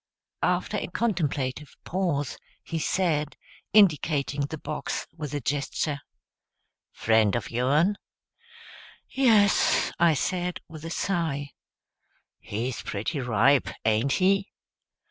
After a contemplative pause, he said, indicating the box with a gesture, "Friend of yourn?" "Yes," I said with a sigh. "He's pretty ripe, ain't he!"